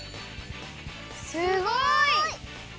すごい！